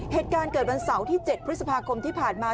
เหตุการณ์เกิดวันเสาร์ที่๗พฤษภาคมที่ผ่านมา